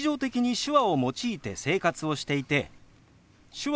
「手話」。